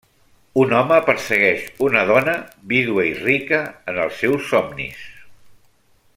Un home persegueix una dona, vídua i rica, en els seus somnis.